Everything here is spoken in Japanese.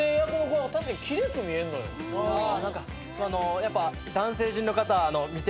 やっぱ。